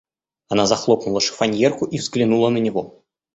Она захлопнула шифоньерку и взглянула на него.